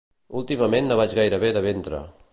Últimament no vaig gaire bé de ventre